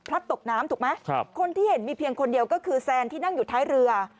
ตกน้ำถูกไหมครับคนที่เห็นมีเพียงคนเดียวก็คือแซนที่นั่งอยู่ท้ายเรือ